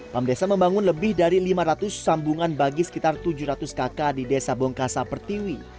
pamdesa membangun lebih dari lima ratus sambungan bagi sekitar tujuh ratus kakak di desa bongka sapertiwi